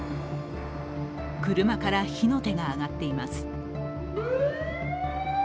車から火の手が上がっています。